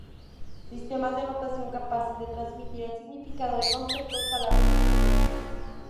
Sistemas de notación capaces de transmitir el significado de conceptos, palabras o sonidos simples.